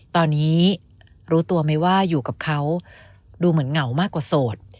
ตอนนี้รู้ตัวไหมว่าอยู่กับเขาดูเหมือนเหงามากกว่าโสด